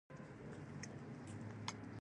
مجاهد د زړور اقدامونو مالک وي.